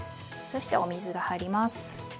そしてお水が入ります。